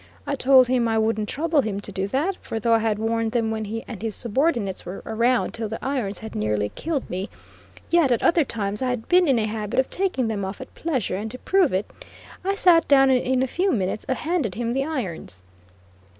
I told him I wouldn't trouble him to do that, for though I had worn them when he and his subordinates were around till the irons had nearly killed me, yet at other times I had been in a habit of taking them off at pleasure; and to prove it, I sat down and in a few minutes handed him the irons.